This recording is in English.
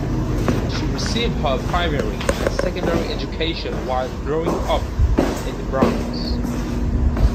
She received her primary and secondary education while growing up in the Bronx.